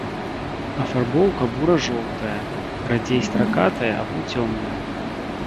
Афарбоўка бура-жоўтая, радзей стракатая або цёмная.